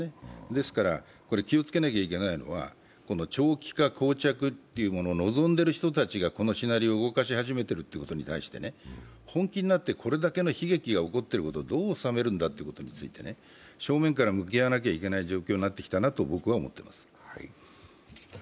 ですから気をつけなきゃ行けないのは長期化、こう着というものを望んでいる人たちがこのシナリオを動かし始めていることに対して本気になってこれだけの悲劇が起こっていることをどう収めるんだということについて正面から向き合わないといけない状況だと思っています。